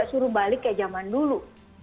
suruh balik kayak zaman dulu